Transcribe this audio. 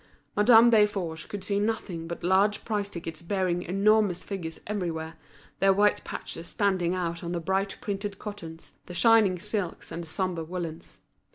Madame Desforges could see nothing but large price tickets bearing enormous figures everywhere, their white patches standing out on the bright printed cottons, the shining silks, and the sombre woollens.